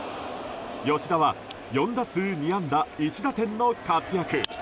吉田は４打数２安打１打点の活躍。